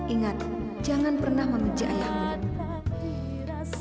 ingat jangan pernah membenci ayahmu